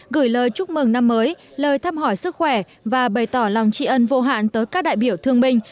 gửi lời chúc mừng năm mới lời thăm hỏi sức khỏe và bày tỏ lòng tri ân vô hạn tới các đại biểu thương binh